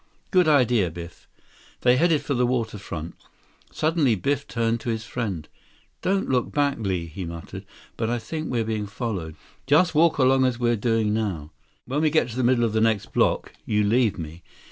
"Good idea, Biff." They headed for the waterfront. Suddenly Biff turned to his friend. "Don't look back, Li," he muttered, "but I think we're being followed. Just walk along as we're doing now. When we get to the middle of the next block, you leave me.